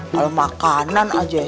kalau makanan saja